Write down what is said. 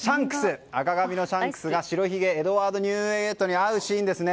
赤髪のシャンクスが白ひげエドワード・ニューゲートに会うシーンですね。